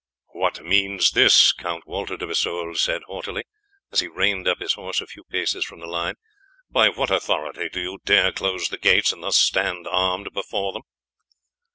"What means this?" Count Walter de Vesoul said haughtily, as he reined up his horse a few paces from the line. "By what authority do you dare close the gates and thus stand armed before them?"